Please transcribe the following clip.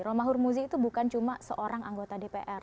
romahur muzi itu bukan cuma seorang anggota dpr